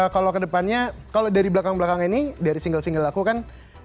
kalau kedepannya kalau dari belakang belakang ini dari single single aku kan